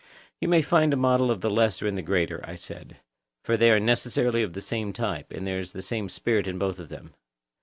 You may find a model of the lesser in the greater, I said; for they are necessarily of the same type, and there is the same spirit in both of them.